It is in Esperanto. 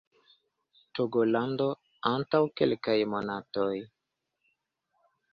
Togolando antaŭ kelkaj monatoj